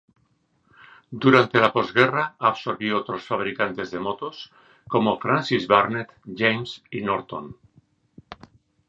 Durante la posguerra, absorbió otros fabricantes de motos como Francis-Barnett, James y Norton.